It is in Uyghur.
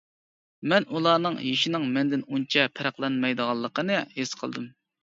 مەن ئۇلارنىڭ يېشىنىڭ مەندىن ئۇنچە پەرقلەنمەيدىغانلىقىنى ھېس قىلدىم.